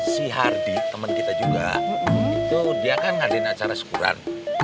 si hardi teman kita juga dia kan ngadain acara sekuran